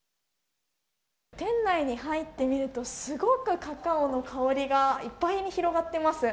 店内に入ってみるとすごくカカオの香りがいっぱいに広がっています。